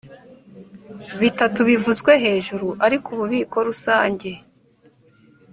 bitatu bivuzwe hejuru ariko ububiko rusange